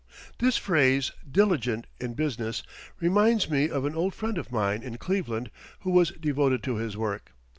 This phrase, "diligent in business," reminds me of an old friend of mine in Cleveland who was devoted to his work.